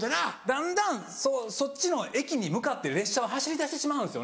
だんだんそっちの駅に向かって列車は走り出してしまうんです。